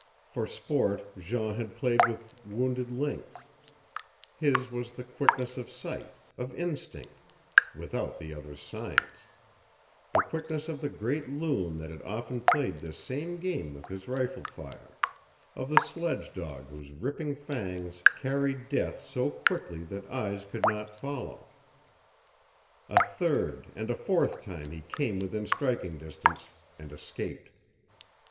For sport Jean had played with wounded lynx; his was the quickness of sight, of instinct without the other's science; the quickness of the great loon that had often played this same game with his rifle fire, of the sledge dog whose ripping fangs carried death so quickly that eyes could not follow. A third and a fourth time he came within striking distance, and escaped.